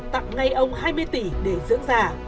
tặng ngay ông hai mươi tỷ để dưỡng giả